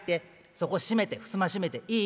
そこ閉めてふすま閉めていい？